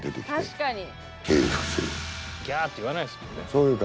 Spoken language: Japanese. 確かに。